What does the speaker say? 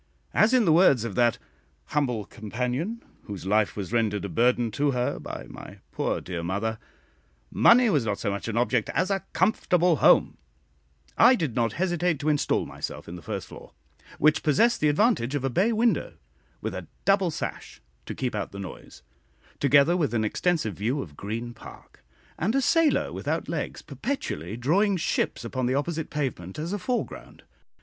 As, in the words of that "humble companion," whose life was rendered a burden to her by my poor dear mother, "Money was not so much an object as a comfortable home," I did not hesitate to instal myself in the first floor, which possessed the advantage of a bay window, with a double sash to keep out the noise, together with an extensive view of Green Park, and a sailor without legs perpetually drawing ships upon the opposite pavement, as a foreground.